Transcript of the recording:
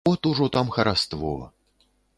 От ужо там хараство!